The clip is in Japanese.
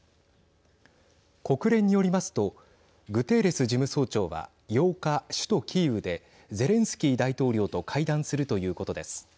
国連によりますとグテーレス事務総長は８日首都キーウでゼレンスキー大統領と会談するということです。